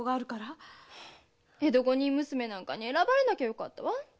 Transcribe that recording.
江戸五人娘なんかに選ばれなきゃよかったわ。